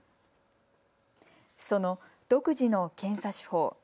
その独自の検査手法。